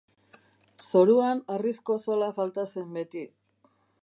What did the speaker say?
Zoruan harrizko zola falta zen beti.